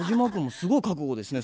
すごい覚悟ですね